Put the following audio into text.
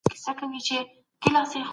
ټولنپوه د انسان چلند مطالعه کوي.